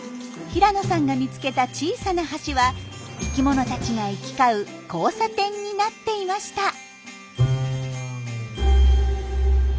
平野さんが見つけた小さな橋は生きものたちが行き交う交差点になっていました。